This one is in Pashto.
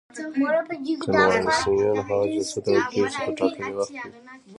کنوانسیون هغو جلسو ته ویل کیږي چې په ټاکلي وخت وي.